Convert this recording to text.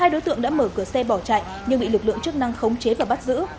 hai đối tượng đã mở cửa xe bỏ chạy nhưng bị lực lượng chức năng khống chế và bắt giữ